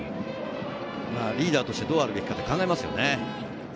リーダーとしてどうあるべきか考えますよね。